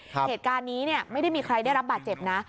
เหตุการณ์นี้เนี่ยไม่ได้มีใครได้รับบาดเจ็บนะ